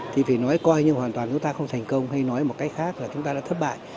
thì phải nói coi như hoàn toàn chúng ta không thành công hay nói một cách khác là chúng ta đã thất bại